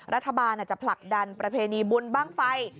รัฐบาลอาจจะผลักดันประเพณีบุญบ้างไฟ